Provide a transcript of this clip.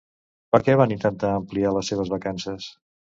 Per què va intentar ampliar les seves vacances?